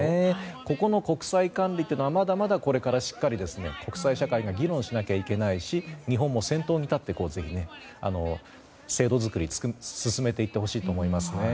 ここの国際管理というのはまだまだこれから、しっかりと国際社会で議論しなければいけないし日本も先頭に立ってぜひ、制度づくりを進めていってほしいと思います。